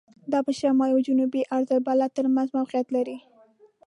دا په شمالي او جنوبي عرض البلد تر منځ موقعیت لري.